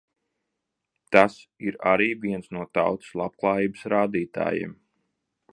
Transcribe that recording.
Tas ir arī viens no tautas labklājības rādītājiem.